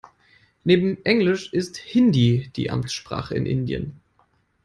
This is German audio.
Neben Englisch ist Hindi die Amtssprache in Indien.